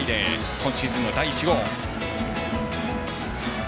今シーズンの第１号。